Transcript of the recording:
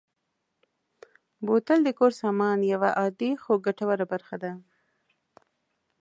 بوتل د کور سامان یوه عادي خو ګټوره برخه ده.